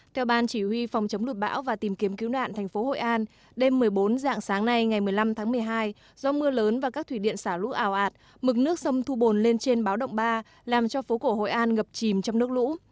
theo ban chỉ huy phòng chống lụt bão và tìm kiếm cứu nạn thành phố hội an đêm một mươi bốn dạng sáng nay ngày một mươi năm tháng một mươi hai do mưa lớn và các thủy điện xả lũ ảo ạt mực nước sông thu bồn lên trên báo động ba làm cho phố cổ hội an ngập chìm trong nước lũ